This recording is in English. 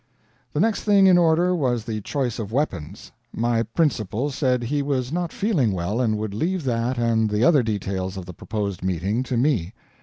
The next thing in order was the choice of weapons. My principal said he was not feeling well, and would leave that and the other details of the proposed meeting to me.